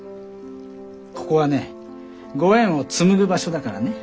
ここはねご縁を紡ぐ場所だからね。